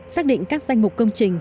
xác định các danh mục công trình